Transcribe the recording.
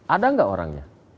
ada gak orangnya